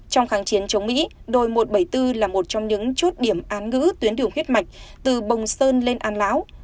trong kháng chiến chống mỹ đồn một trăm bảy mươi bốn là một trong những chốt điểm án ngữ tuyến đường huyết mạch từ bồng sơn lên an lão